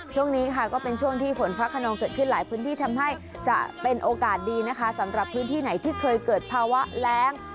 ช่วงนี้ค่ะก็เป็นช่วงที่ฝนฟ้าขนองเกิดขึ้นหลายพื้นที่ทำให้จะเป็นโอกาสดีนะคะสำหรับพื้นที่ไหนที่เคยเกิดภาวะแรง